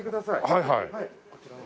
はいはい。